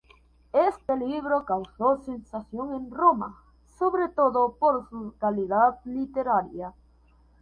Este libro causó sensación en Roma, sobre todo por su calidad literaria.